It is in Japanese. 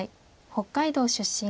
北海道出身。